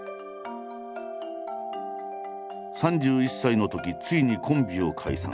３１歳のときついにコンビを解散。